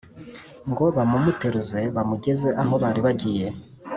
ngo bamumuteruze bamugeze aho bari bagiye